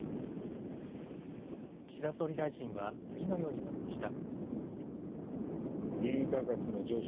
岸田総理大臣は次のように述べました。